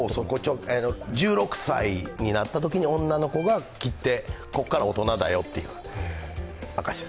１６歳になったときに女の子が切ってここから大人だよっていう証し。